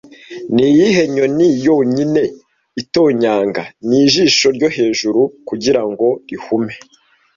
Niyihe nyoni yonyine itonyanga ni ijisho ryo hejuru kugirango rihume